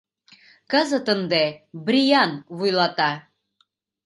Кызыт ынде Бриан вуйлата.